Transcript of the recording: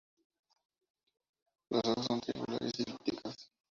Las hojas son triangulares y elípticas.